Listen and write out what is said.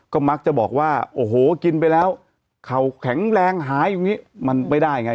ก็มักจะบอกว่าโอ้โหกินไปแล้วเข่าแข็งแรงหาอยู่อย่างนี้มันไม่ได้ไง